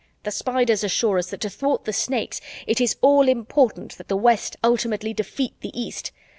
The Spiders assure us that, to thwart the Snakes, it is all important that the West ultimately defeat the East.